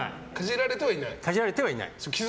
かじられてはいない？